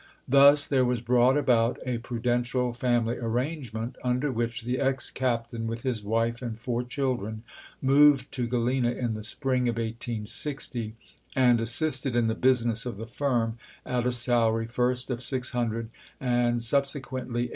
Thus there was brought about a prudential family arrangement, under which the ex captain, with his wife and four children, moved to Galena in the spring of 1860, and assisted in the business of the firm, at a salary first of six hundred, and subsequently eight hun 292 AEKAHAJVI LINCOLN Chap.